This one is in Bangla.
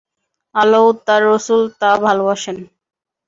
আল্লাহ ও তাঁর রাসূল তা ভালবাসেন।